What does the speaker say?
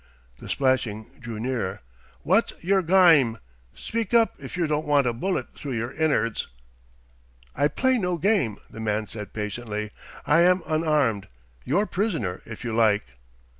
The splashing drew nearer. "Wot's yer gime? Speak up if yer don't want a bullet through yer in'ards." "I play no game," the man said patiently. "I am unarmed your prisoner, if you like."